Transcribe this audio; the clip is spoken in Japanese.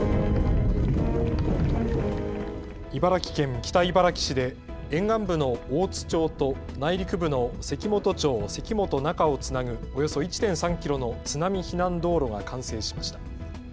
茨城県北茨城市で沿岸部の大津町と内陸部の関本町関本中をつなぐおよそ１．３キロの津波避難道路が完成しました。